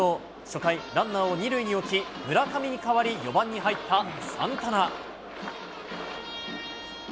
初回、ランナーを２塁に置き、村上に代わり４番に入ったサンタナ。